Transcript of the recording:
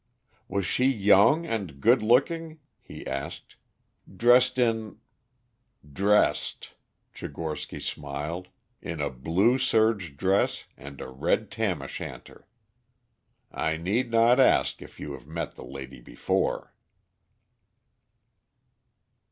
"Was she young and good looking?" he asked "Dressed in " "Dressed," Tchigorsky smiled, "in a blue serge dress and a red tam o' shanter. I need not ask if you have met the lady before."